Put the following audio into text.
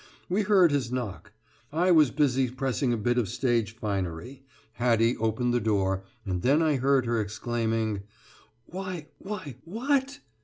We heard his knock. I was busy pressing a bit of stage finery. Hattie opened the door, and then I heard her exclaiming: "Why why what!"